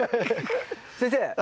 先生